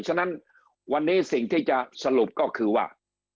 ฉะนั้นวันนี้สิ่งที่จะสรุปก็คือว่า